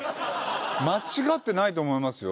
間違ってないと思いますよ。